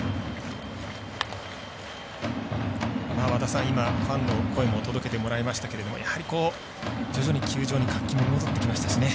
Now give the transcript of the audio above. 和田さん、今ファンの声も届けてもらいましたがやはり徐々に球場に活気も戻ってきましたからね。